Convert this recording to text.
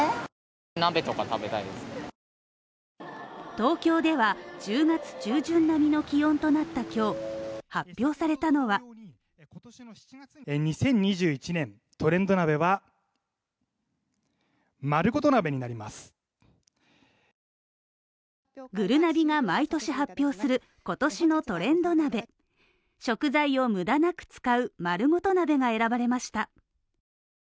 東京では１０月中旬並みの気温となった今日、発表されたのはぐるなびが毎年発表する今年のトレンド鍋食材を無駄なく使うまるごと鍋が選ばれました。